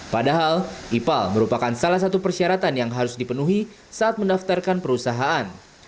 padahal ipal merupakan salah satu persyaratan yang harus dipenuhi saat mendaftarkan perusahaan